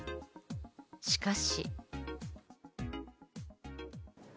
しかし。